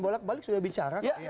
boleh kembali sudah bicara